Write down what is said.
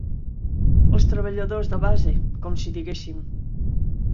Els treballadors de base, com si diguéssim.